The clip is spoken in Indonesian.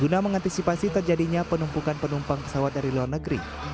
guna mengantisipasi terjadinya penumpukan penumpang pesawat dari luar negeri